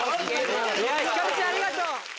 ひかるちゃんありがとう。